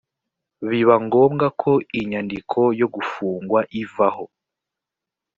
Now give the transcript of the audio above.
biba ngombwa ko inyandiko yo gufungwa ivaho.